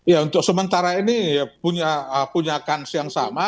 ya untuk sementara ini punya kans yang sama